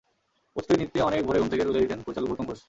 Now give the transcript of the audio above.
প্রস্তুতি নিতে অনেক ভোরে ঘুম থেকে তুলে দিতেন পরিচালক গৌতম ঘোষ।